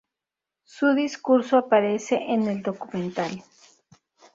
Su discurso aparece en el documental.